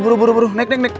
aduh buru buru naik naik